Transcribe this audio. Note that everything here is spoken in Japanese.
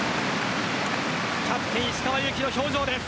キャプテン・石川祐希の表情です。